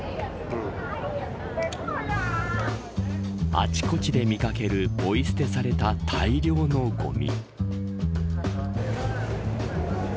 あちこちで見掛けるぽい捨てされた大量のごみ。